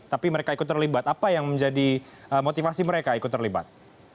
tapi mereka ikut terlibat apa yang menjadi motivasi mereka ikut terlibat